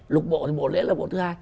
lục bộ thì bộ lễ là bộ thứ hai